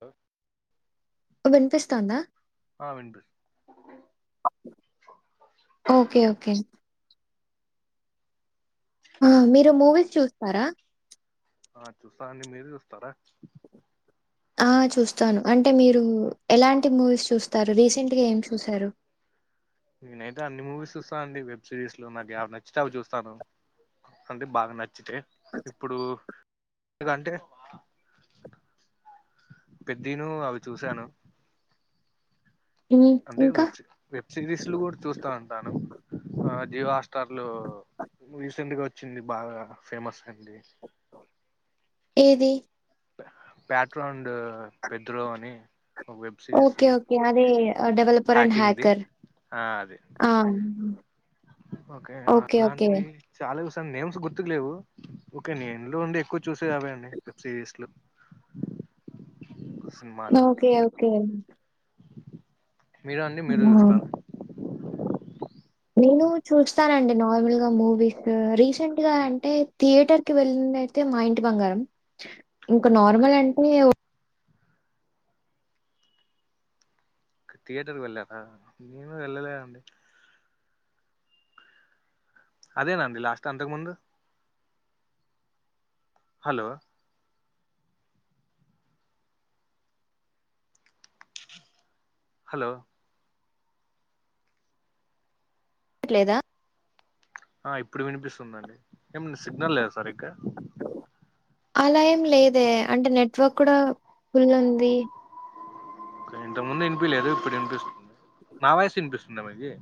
Hello వినిపిస్తాందా ఆ వినిపిస్ ఓకే ఓకే ఆ మీరు మూవీస్ చూస్తార ఆ చూస్తా అండి మీరు చూస్తార ఆ చూస్తాను అంటే మీరు ఎలాంటి మూవీస్ చూస్తారు రీసెంట్ గా ఏం చూశారు నేనైతే అన్ని మూవీస్ సుస్తానండి వెబ్ సిరీస్ లో నాకు నచ్చినవి చూస్తాను. అంటే బాగ నచ్చితే ఇప్పుడు ఎక్కువ అంటే పెద్ది ను అవి చూశాను హ్మ్. అంటే ఇంకా వెబ్స్ వెబ్ సిరీస్లు కూడ చూస్తా అంటాను ఆ జియో హాట్స్టార్ లు రీసెంట్గా వచ్చింది బాగా ఫేమస్ అయ్యింది ఏది [unintelligible] పెట్రో అని ఒక వెబ్ సిరీస్ ఓకే ఓకే అది డెవలపర్ అండ్ హ్యాకింగ్ది హ్యాకర్ ఒకే ఓకే. ఓకే. అలాంటివి చాలా చూసా ను నేమ్స్ గుర్తుకు లేవు ఓకే నేను ఇంట్లో ఉండి ఎక్కువ చూసేది అవే అండి వెబ్ సిరీస్లు సినిమాలు ఒకే ఒకే మీరు అండి మీరు హ్మ్. చూస్తార నేను చూస్తానండి నార్మల్ గా మూవీస్ రీసెంట్గా అంటే థియేటర్ కి వెళ్ళి అయితే మా ఇంటి బంగారం ఇంక ఓకే నార్మల్ అంటే థియేటర్ కు వెళ్ళారా! నేను వెళ్ళలే అండి అదేనండి లాస్ట్ అంతకు ముందు హలో హలో ట్లేద ఆ ఇప్పుడు వినిపిస్తుందండి ఏమ్ సిగ్నల్ లేద సరిగ్గ అలా ఏం లేదే అంటే నెట్వర్క్ కూడ ఫుల్ ఉంది. ఇంతకు ముందు ఇనిపిలేదు ఇప్పుడు ఇనిపిస్తుంది. నావాయిస్ ఇనిపిస్తుంద మీకీ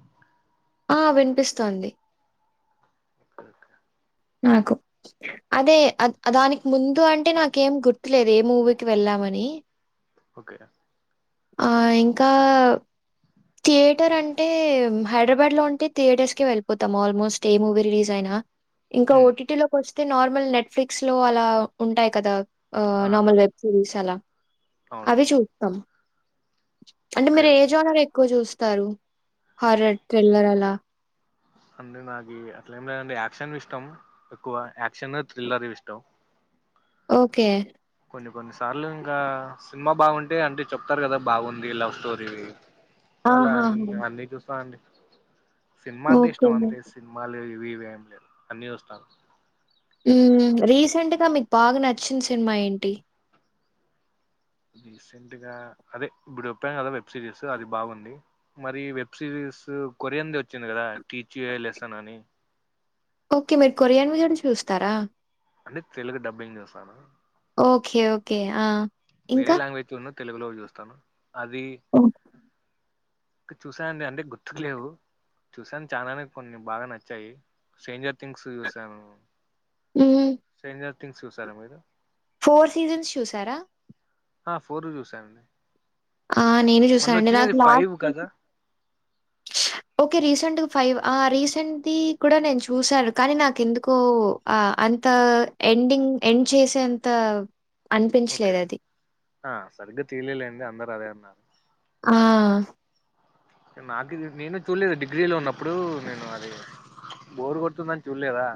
ఆ వినిపిస్తుంది ఇ నాకు అదే అ దానికి ముందు అంటే నాకేం గుర్తులేదు ఏ మూవీకి వెళ్ళామని ఓకే ఆ ఇంకా థియేటర్ అంటే హైదరాబాదులో ఉంటే థియేటర్స్ కీ వెళ్ళిపోతాం ఆల్మోస్ట్ ఏ మూవీ రిలీజ్ అయినా ఇంక ఉమ్, ఓటీటీ లోకొస్తే నార్మల్ నెట్ఫ్లిక్స్ లో అలా ఉంటాయి కదా ఆ నార్మల్ వెబ్ సిరిస్ అల అవును అవి చూస్త అంటే ఓకే మీరు ఓకే ఏజ్ోనర్ ఎక్కువ చూస్తారు హారర్ థ్రిల్లర్ అల అంటే నాకీ అట్లా ఏం లేదండి యాక్షన్ ఇష్టం ఎక్కువ యాక్షన్ థ్రిల్లర్ ఇష్టం ఓకే కొన్ని కొన్ని సార్లు ఇంకా సినిమా బాగుంటే అంటే చెప్తారు కదా బాగుంది లవ్ స్టోరీ వీ అలా ఇంగ ఆహాహా! అన్నీ చూస్తాండి సినిమా అంటే ఓకే. ఇష్టం అంతే సి మాలు ఇవ్వీ ఇవ్వీ ఏం లేవ్ అన్ని చూస్తాను ఊ రీసెంట్ గా మీకు బాగా నచ్చిన సినిమా ఏంటి రీసెంట్ గా అదే ఇప్పుడు చెప్పా కదా వెబ్ సిరీస్ అది బాగుంది మరి వెబ్ సిరీస్ కొరియన్ది వోచ్చింది కదా టీచ్ ఏ లెసన్ అని ఓకే మీరు కొరియన్ వీ కూడ చూస్తారా అంటే తెలుగు డబ్బింగ్ చూస్తాను ఓకే ఓకే ఆ ఇంకా? వేరే లాంగ్వేజ్ చూడను తెలుగులోవి చూస్తాను అది ఇంక చూసా అండి అంటే గుర్తుకు లేవు చూసాను చానానే కొన్ని బాగా నచ్చాయి స్ట్రేంజర్ థింగ్స్ చూసాను ఊ స్ట్రేంజర్ థింగ్స్ చూసారా మీరు ఫోర్ సీజన్స్ చూసారా ఆ ఫోర్లు చూసానండి ఆ నేను చూసా అండి నాకు ఫైవ్ లాస్ట్ కదా ఓకే రీసెంట్ ఫైవ్ ఆ రీసెంట్ది కూడా నేను చూశాను కానీ నాకెందుకో ఆ అంత ఎండింగ్ ఎండ్ చేసే అంత ఓకే అనిపించలేదు అది ఆ సరిగ్గా తెలిలే అండి అందరు అదే అన్నారు ఆ నాకిది నేను చూడలేదు డిగ్రీలో ఉన్నప్పుడు నేను అది బోరు కొడుతుందని చూడలేదా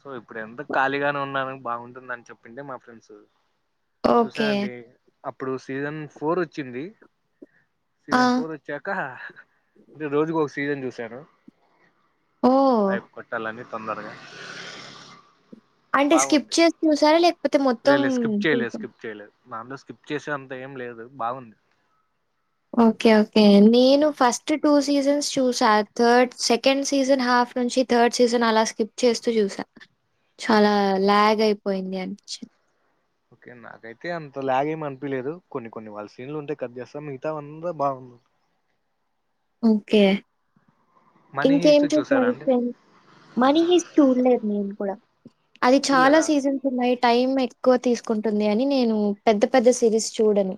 సో ఇప్పుడు ఎందూకు ఖాళీగానే ఉన్నాను బాగుంటుందని చెప్పింటే మా ఫ్రెండ్స్ చూసా ఓకే. అండి అప్పుడు సీజన్ ఫోర్ వచ్చింది ఆ! సీజన్ ఫోర్ వచ్చాక ఇంక రోజుకు ఒక సీజన్ చూశాను ఓహ్! అయ్ప్కొట్టాలని తొందరగా అంటే స్కిప్ బాగుంది చేసి చూసారా? లేకపోతే లే మొత్తం లే స్కిప్ చేయలేదు చూసా స్కిప్ చేయలేదు దాన్లో స్కిప్ చేసే అంత ఏం లేదు బాగుంది ఓకే ఓకే నేను ఫస్ట్ టూ సీజన్స్ చూసా థర్డ్ సెకండ్ సీజన్ హాఫ్ నుంచి థర్డ్ సీజన్ అలా స్కిప్ చేస్తూ చూసా చాలా లాగ్ అయిపోయింది అనిపింది ఓకే నాకైతే అంత ల్యాగ్ ఏం అనిపియలేదు కొన్ని కొన్ని వాళ్ళ సీన్లు ఉంటే కట్ చేస్తా మిగతావంత బాగు ఓకే మనీ ఇంకేం హిస్ట్ చూసారా చూసారు అండి ఫ్రెండ్ మనీ హిస్ చూడలేదు నేను కూడా అది చాలా చూడలేదా సీజన్ స్ ఉన్నాయి టైం ఎక్కువ తీసుకుంటుంది అని నేను పెద్ద పెద్ద సిరీస్ చూడను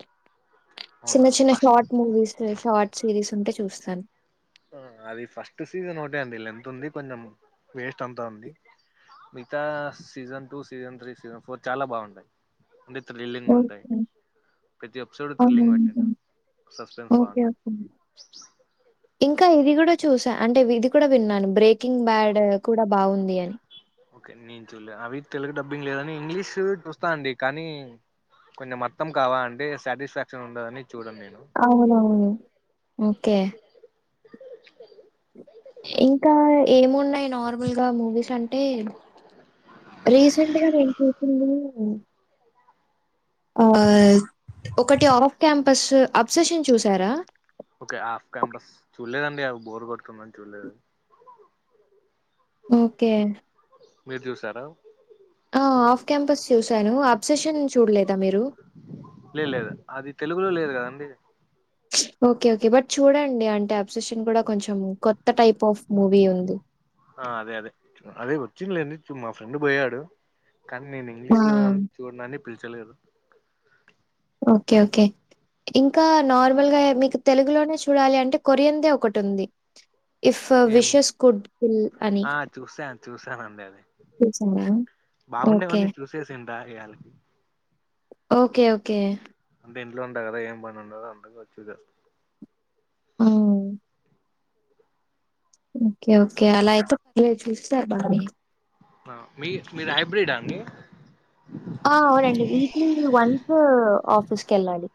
చిన్న అవునా చిన్న first short movies short series ఉంటే చూస్తాను అది ఫస్ట్ సీజన్ ఓటే అండి లెంత్ ఉంది కొంచెం వేస్ట్ అంతా ఉంది మిగతా season two season three season four చాలా బాగుంటయి అంటే థ్రిల్లింగ్ ఉంటాయి ఓకే. ప్రతి ఎపిసోడ్ థ్రిల్లింగ్ పెట్టిందా అవునవును. Suspense okay. బాగుంటుంది ఓకే. ఇంకా ఇది కూడా చూసా అంటే ఇది కూడా విన్నాను బ్రేకింగ్ బ్యాడ్ కూడా బాగుంది అని ఓకే నేను చుల్లే అవి తెలుగు డబ్బింగ్ లేదని ఇంగ్లీష్ చూస్తా అండి కానీ కొన్ని అర్థమ్ కావాలంటే సాటిస్ఫాక్షన్ ఉండదని చూడను నేను అవునవును ఓకే. [inaudible] ఇంకా ఏమున్నాయి నార్మల్ గా మూవీస్ అంటే రీసెంట్ గా నేను చూసింది ఆ ఒకటి ఆఫ్ క్యాంపస్ అబ్సెషన్ చూసారా ఓకే హాఫ్ క్యాంపస్ చూడలేదండి అవి బోర్ కొడుతుందని చూడలేదు ఓకే మీరు చూశారా ఆ ఆఫ్ క్యాంపస్ చూసాను అబ్సెషన్ చూడలేదా మీరు లేదు లేదు అది తెలుగులో లేదు కదాండి ఓకే ఓకే బట్ చూడండి అంటే అబ్సషన్ కూడా కొంచెం కొత్త టైప్ ఆఫ్ మూవీ ఉంది ఆ అదే అదే అదే వచ్చిందిలేండి మా ఫ్రెండ్ పోయాడు కానీ నేను ఆ! ఇంగ్లీష్ లో చూడనని పిలిచలేదు ఓకే ఓకే ఇంకా నార్మల్గా ఎ మీకు తెలుగులోనే చూడాలి అంటే కోరియన్ ది ఒకటి ఉంది ఇఫ్ ఏం విషస్ కుడ్ విల్ అని ఆ చూసాను చూసానండి అది చూసారా ఓకే. బాగుండేవన్నీ చూసేసింట ఈ యాలకి ఓకే ఓకే అంట ఇంట్లో ఉండ కదా ఏం పని ఉండదు అందక వచ్చూస్త ఓ ఓకే ఓకే అలా అయితే ప్లే చూస్సేరు బానే హా మీ మీది హైబ్రిడ్ అ అండి ఆ అవునండి వీక్లీ వన్స్ ఆఫీస్కి వెళ్ళాలి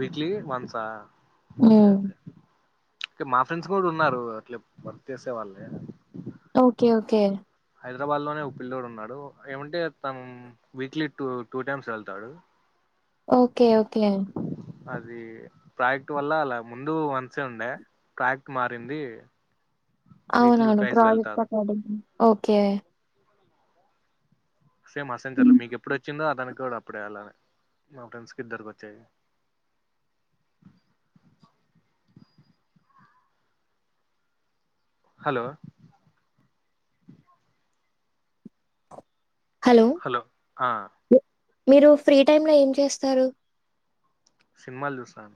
వీక్లీ వన్స్ హమ్ మా ఫ్రెండ్స్ కూడా ఉన్నారు అట్లే వర్క్ చేసే వాళ్ళే ఓకే ఓకే హైదరాబాద్ లోనే ఓ పిల్లోడు ఉన్నాడు ఏమంటే తను వీక్లీ టూ టూ టైమ్స్ వెళ్తాడు ఓకే ఓకే అదీ ప్రాయక్ట వల్ల అలా ముందు వన్సే ఉందే ప్రాయక్ట మారింది వీక్లీ అవునవును ట్వైస్ ప్రాజెక్ట్ వెళ్తారు అకార్డింగ్ ఓకే సేమ్ అసెంచర్లో హ్మ్. మీకు ఎప్పుడు వచ్చిందో అ అతనికి కూడా అప్పుడే అలానే మా ఫ్రెండ్స్కి ఇద్దరికి వచ్చాయి హలో హలో మ్ మీరు ఫ్రీ టైమ్ంలో ఏం చేస్తారు సిన్మ్మాల్ చూస్తా అం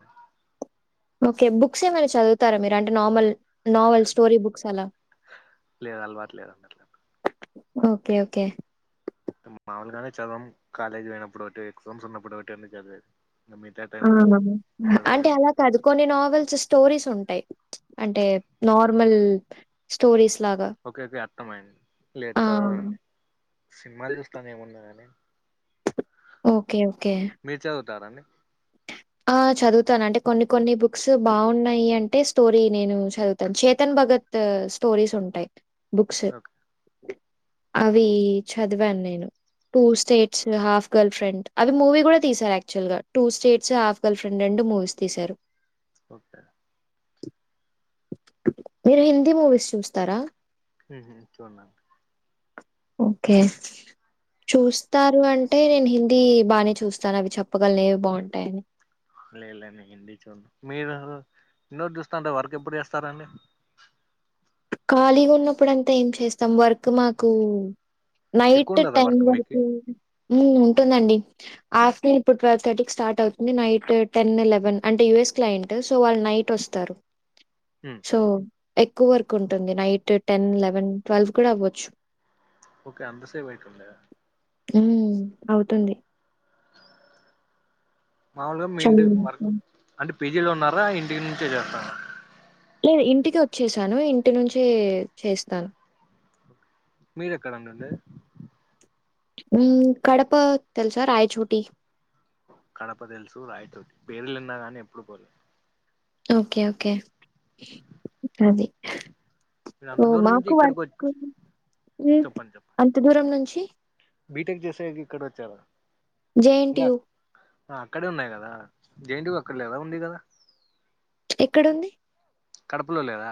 ఓకే బుక్స్ ఏమైనా చదువుతారా మీరు అంటే నార్మల్ నోవెల్ స్టోరి బుక్స్ అలా లేదు అలవాటు లేదండి అట్లా ఓకే ఓకే మామలుగానే చదవం కాలేజ్ పోయినప్పుడు ఒకటి ఎక్జామ్స ఉన్నప్పుడు ఒకటి చదివేది మిగతా టైమ్ లో అంటే చదివేదేం అలా లేదు కాదు కొన్ని నావెల్స్ స్టోరీస్ ఉంటాయి అంటే నార్మల్ స్టోరీస్ లాగా ఓకే ఓకే అర్థ మైంది లేచి ఆ! చదవండి సినిమాలు చూస్తాను ఏమున్నా కానీ ఓకే ఓకే మీరు చదువుతార అండి ఆ చదువుతాను అంటే కొన్ని కొన్ని బుక్స్ బాగున్నాయి అంటే స్టోరీ నేను చదువుతాను చేతన్ భగత్ త్ స్టోరీస్ ఉంటాయి బుక్స్ ఓకే అవి చదివాను నేను two states half girlfriend అవి మూవీ కూడా తీసారు యాక్చువల్ గా two states half girlfriend రండ్ మూవీస్ తీసారు ఓకే మీరు హింధీ మూవీస్ చూస్తారా హు హామ్ చూడ నండి ఓకే చూస్తారు అంటే నేను హిందీ బానే చూస్తాను అవి చెప్పగలినేవి బాగుంటాయని లేలేం ఏండి చూడి మీరు [unintelligible] ఇన్నోటి చూస్తాంటే వర్క్ ఎప్పురు చేస్తారంండి ఖాళీగా ఉన్నప్పుడు అంతా ఏం చేస్తాం వర్క్ మాకు ఎక్కువ నైట్ ఉండదా టెన్ వర్క్ మీకు వరకు ఉం ఉంటుందండి ఆఫ్ర్ూన్ ఇప్పుడు ట్వెవ్ థర్టీకి స్టార్ట్ అవుతుంది నైట్ టెన్ ఎలెవెన్ అంటే యుఎస్ క్లయింట్ సో వాళ్ళు నైట్ [unintelligible] ట్టొస్తారు ఉం సో ఎక్కువ వర్క్ ఉంటుంది నైట్ టెన్ లెవెన్ ట్వెల్వ్ కూడా అవ్వచ్చు ఓకే అంతసేపూ పెట్టిండా ఉం అవుతుంది మామూలుగా మీ చాలా ఇంటి వర్క్ వరకు. అంటే పేజీలు ఉన్నారా ఇంటి నుంచే చేస్తారా లేదు ఇంటికి వచ్చేసాను ఇంటి నుంచి చేస్తాను మీరు ఎక్కడ అండీ ఉండేది మీ కడప తెలుసా రాయ చోటి కడప తెలుసు రాయిచోటి పేర్లున్నా గానీ ఎప్పుడు పోలే ఓకే ఓకే అది మీరు అంత సో దూరం నుంచి మాకు ఇక్కడికి వర్క్ వచ్చి ఉం చెప్పండి చెప్పండి అంత దూరం నుంచి బీటెక్ చేసేకి ఇక్కడ వచ్చారా జె ఎన్ టి ఇంకా యు ఆ అక్కడే ఉన్నాయి కదా జె ఎన్ టి యు అక్కడ లేద ఉంది కదా ఎక్కడ ఉంది కడపలో లేదా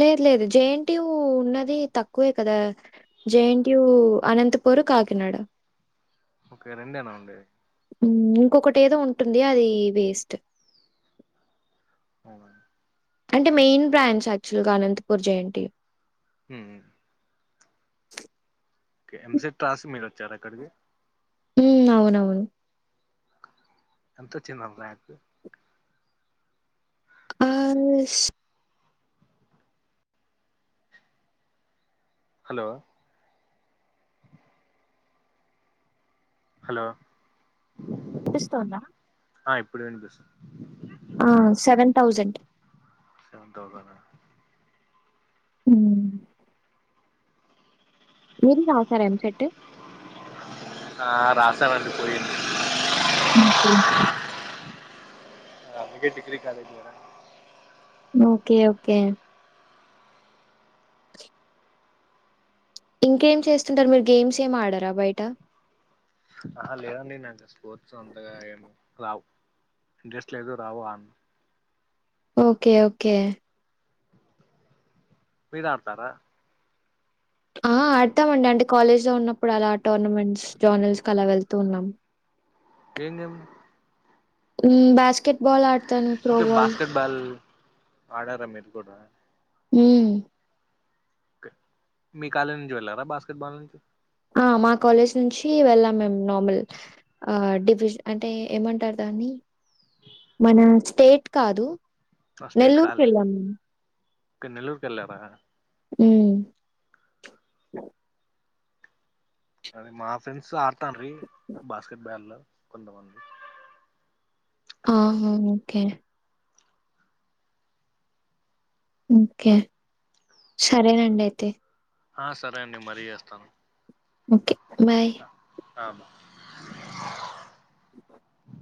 లేదు లేదు జే ఎన్ టి యు ఉన్నది తక్కువే కదా జెఎన్టియు అనంతపూర్ కాకినాడ ఓకే రెండేనా అండి ఉం ఇంకొకటి ఏదో ఉంటుంది అది వేస్ట్ అవునా అంటే మెయిన్ బ్రాంచ్ యాక్చువల్గా Anantapur J N T U ఉం ఓకె ఎంసెట్ మీరు వచ్చారు అక్కడికి ఉం అవునవును ఎంతోచింది ర్యాకు ఆ హలో హలో వినిపిస్తుతోందా ఆ ఇప్పుడు వినిపిస్ ఆ సెవెన్ తౌసండ్ అకౌంట్లన ఉమ్ మీరు రాశారా ఎం సెట్టు ఆ రాసా నండి పోయింది ఒకే అ అందుకే డిగ్రీ కాలేజ్కి పోయిన ఓకే ఓకే [unintelligible] ఇంకేం చేస్తుంటరు మీరు గేమ్స్ ఏమడరా బయట ఆహ లేదండి నాక స్పోర్ట్స్ అంతగా ఏ రావు ఇంట్రెస్ట్ లేదు రావు అ ఓకే ఓకే మీరాడుతరా ఆ ఆడతామండి అంటే కాలేజ్ లో ఉన్నప్పుడు అలా టోర్నమెంట్స్ జోర్నల్స్ కలా వెళ్తూ ఉన్నాం ఏం గేమ్ ఉమ్ బాస్కెట్ బాల్ ఆడతాను త్రో బాల్ బల్ ఆడరా మీరు కూడా ఉమ్ కే మీ కాలేజ్ నుంచి వెళ్ళరా బాస్కెట్ బాల్ నుంచి ఆ మా కాలేజ్ నుంచి వెళ్ళాం మేమ్ నార్మల్ ఆ డివిజ అంటే ఏమంటారు దాన్ని మన స్టేట్ కాదు ఫస్టేట్ ఆడలే నెల్లూరుకెళ్ళాం మేము. కనీ నెల్లూరుకేలారా ఉమ్ అదే మా ఫ్రెండ్స్ ఆడతారు బాస్కెట్ బాల్లో కొంతమంది ఆహ ఓకే ఓకే సరేనండి అయితే ఆ సరే అండి మల్లి చేస్తాను ఓకే బాయ్ ఆ బా [unintelligible]